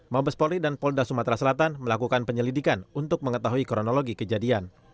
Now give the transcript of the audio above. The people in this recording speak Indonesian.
mabes polri dan polda sumatera selatan melakukan penyelidikan untuk mengetahui kronologi kejadian